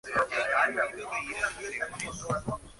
Aparece cuando se dice su nombre.